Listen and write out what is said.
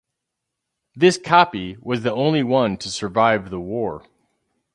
This copy was the only one to survive the war.